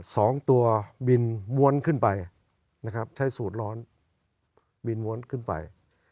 สองตัวบินม้วนขึ้นไปนะครับใช้สูตรร้อนบินม้วนขึ้นไป